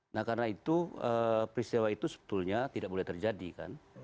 nah karena itu peristiwa itu sebetulnya tidak boleh terjadi kan